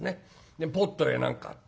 でポットや何かあって。